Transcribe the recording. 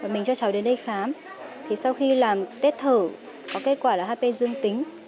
mình cho cháu đến đây khám thì sau khi làm tết thở có kết quả là hp dương tính